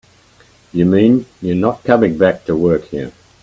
You mean you're not coming back to work here?